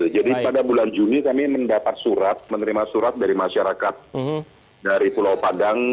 jadi pada bulan juni kami mendapat surat menerima surat dari masyarakat dari pulau padang